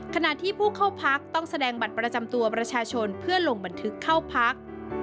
ขณะที่ผู้เข้าพักต้องแสดงบัตรประจำตัวประชาชนเพื่อลงบันทึกเข้าพัก